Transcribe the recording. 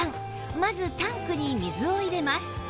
まずタンクに水を入れます